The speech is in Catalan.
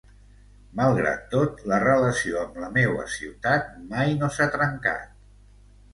Malgrat tot, la relació amb la meua ciutat mai no s'ha trencat.